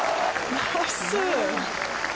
ナイス。